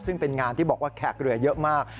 ซึ่งเป็นงานที่บอกว่าแขกเรือเยอะมาก